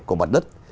của mặt đất